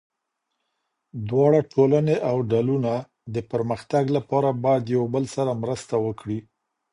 دواړه ټولني او ډلونه د پرمختګ لپاره باید یو بل سره مرسته وکړي.